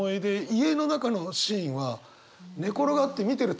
家の中のシーンは寝転がって見てる